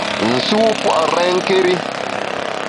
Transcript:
Nsu a pua’ renké́ri.